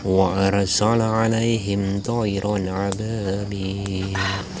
wa arasala alaihim tu'iran ababim